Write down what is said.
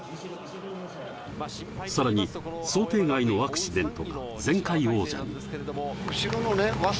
さらに想定外のアクシデントが前回王者に。